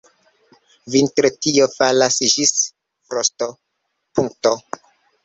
Vintre tio falas ĝis frostopunkto.